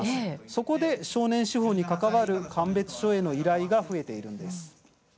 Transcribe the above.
そこで少年司法に関わる鑑別所への依頼が増えているんです。